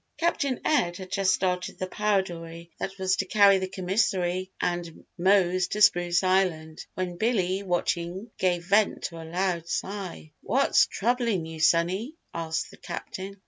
Captain Ed had just started the power dory that was to carry the commissary and Mose to Spruce Island, when Billy, watching, gave vent to a loud sigh. "What's troublin' you, sonny?" asked the Captain.